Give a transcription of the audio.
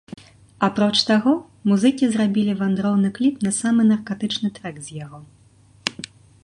Апроч таго музыкі зрабілі вандроўны кліп на самы наркатычны трэк з яго.